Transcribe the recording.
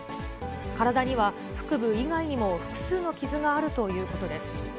体には腹部以外にも複数の傷があるということです。